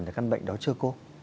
cái căn bệnh đó chưa cô